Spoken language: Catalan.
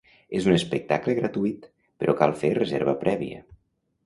És un espectacle gratuït, però cal fer reserva prèvia.